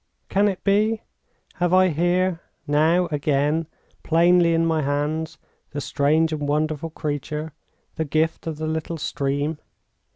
Can it be? Have I here, now, again, plainly in my hands, the strange and wonderful creature, the gift of the little stream?